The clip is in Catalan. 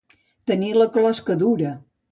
Tenir la closca dura.